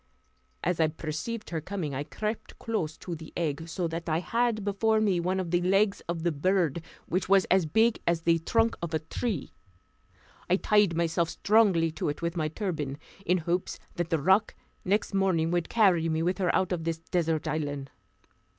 As I perceived her coming, I crept close to the egg, so that I had before me one of the legs of the bird, which was as big as the trunk of a tree. I tied myself strongly to it with my turban, in hopes that the roc next morning would carry me with her out of this desert island.